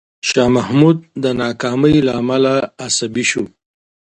شاه محمود د ناکامۍ له امله عصبي شو.